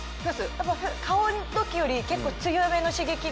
やっぱ顔の時より結構強めの刺激が。